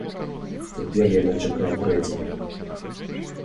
Цяпер яна чакае трэцяга.